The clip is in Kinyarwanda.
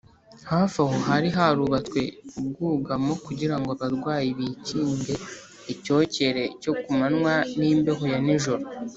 . Hafi aho hari harubatswe ubwugamo kugira ngo abarwayi bikinge icyokere cyo ku manywa n’imbeho ya nijoro